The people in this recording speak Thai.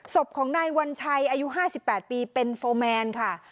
ศพของนายวัญชัยอายุห้าสิบแปดปีเป็นฟอร์แมนค่ะ